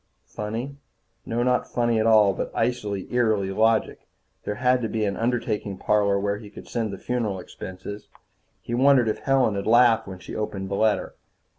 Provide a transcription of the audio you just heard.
Funny? No, not funny at all, but icily, eerily logical. There had to be an undertaking parlor where he could send the funeral expenses. He wondered if Helen had laughed when she opened the letter.